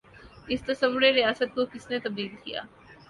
اس تصور ریاست کو کس نے تبدیل کیا؟